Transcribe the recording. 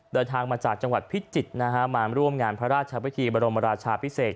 เดินทางมาจากจังหวัดพิจิตรนะฮะมาร่วมงานพระราชวิธีบรมราชาพิเศษ